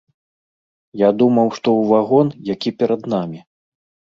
Я думаў, што ў вагон, які быў перад намі.